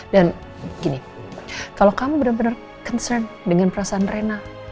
dan gini kalau kamu benar benar concern dengan perasaan reina